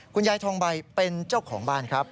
คุณยายทองใบเป็นเจ้าของบ้านครับ